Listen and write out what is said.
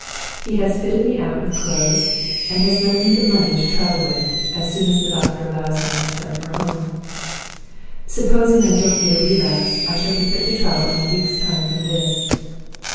He has fitted me out with clothes, and has lent me the money to travel with, as soon as the doctor allows me to start for home. Supposing I don't get a relapse, I shall be fit to travel in a week's time from this.